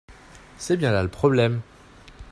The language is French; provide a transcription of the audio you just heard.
c'est bien là le problème.